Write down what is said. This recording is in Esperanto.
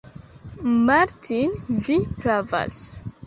Martin, vi pravas!